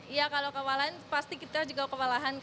iya kalau kewalahan pasti kita juga kewalahan